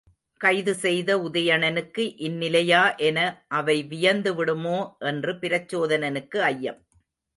கைது செய்த உதயணனுக்கு இந்நிலையா என அவை வியந்து விடுமோ? என்று பிரச்சோதனனுக்கு ஐயம்.